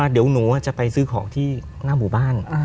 เดี๋ยวหนูจะไปซื้อของที่หน้าหมู่บ้าน